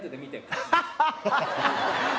ハハハハ！